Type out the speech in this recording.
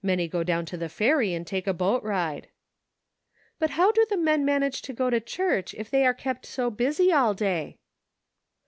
Many go down to the ferry and take a boat ride." " But how do the men manage to go to church if they are kept so busy all day